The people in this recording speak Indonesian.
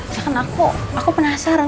jangan aku aku penasaran